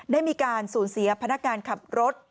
ได้มีการสูญเสียพนักงานขับรถ